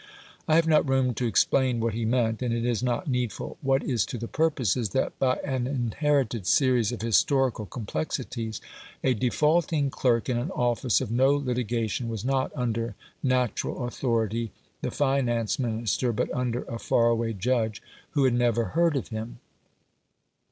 I have not room to explain what he meant, and it is not needful; what is to the purpose is that, by an inherited series of historical complexities, a defaulting clerk in an office of no litigation was not under natural authority, the Finance Minister, but under a far away judge who had never heard of him.